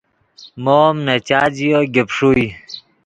مو ام نے چات ژیو گیپ ݰوئے